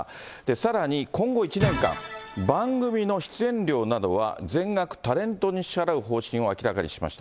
さらに、今後１年間、番組の出演料などは全額タレントに支払う方針を明らかにしました。